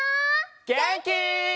げんき？